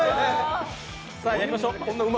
さ、やりましょう。